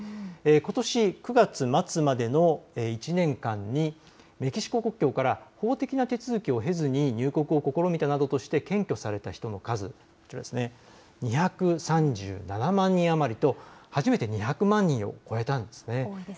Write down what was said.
ことし９月末までの１年間にメキシコ国境から法的な手続きを経ずに入国を試みたなどとして検挙された人の数、こちら、２３７万人余りと初めて２００万人を超えたんです。